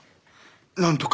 なんとか。